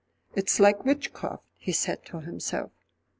"It's like witchcraft," he said to himself.